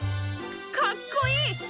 かっこいい！